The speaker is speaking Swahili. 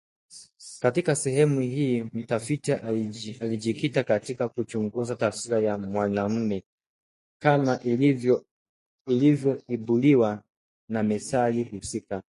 Katika sehemu hii, mtafiti alijikita katika kuchunguza taswira ya mwanamume kama inavyoibuliwa na methali husika